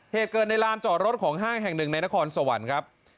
เหตุเกิดในลานจอดรถของห้างแห่งหนึ่งในนครสวรรค์ครับ